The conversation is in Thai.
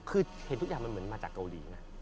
คือเห็นทุกอย่างมันเหมือนมาจากเกาหลีนะ